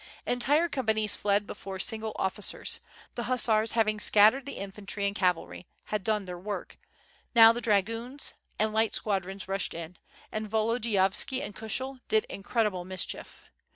Entire companies fled before single officers. The hussars having scattered the infantry and cavalry, had done their work; now the dragoons and light squadrons rushed in, and Volodiyovski and Kushel did incredible mis chief.